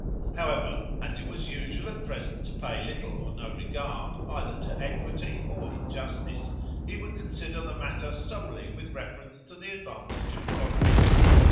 However, as it was usual at present to pay little or no regard either to equity or injustice, he would consider the matter solely with reference to the advantage of Florence.